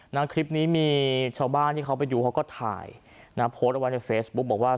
นะคลิปนี้มีชาวบ้านที่เขาไปดูเขาก็ถ่ายนะโพสต์เอาไว้ในเฟซบุ๊กบอกว่า